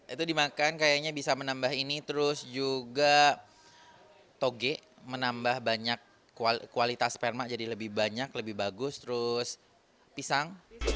itu dimakan kayaknya bisa menambah ini terus juga toge menambah banyak kualitas sperma jadi lebih banyak lebih bagus terus pisang